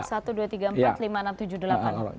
satu dua tiga empat lima enam tujuh delapan